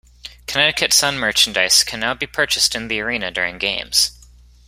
Connecticut Sun merchandise can now be purchased in the Arena during games.